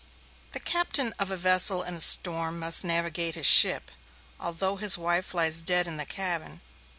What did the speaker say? The captain of a vessel in a storm must navigate his ship, although his wife lies dead in the cabin.